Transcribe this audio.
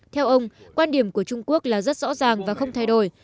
theo ông quan điểm của trung quốc là rất rõ ràng và không thay đổi